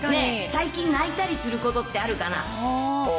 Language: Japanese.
最近、泣いたりすることってあるかな？